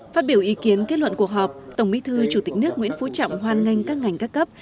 phát biểu ý kiến kết luận của họp tổng bí thư chủ tịch nước nguyễn phú trọng hoàn ngành các ngành ca cấp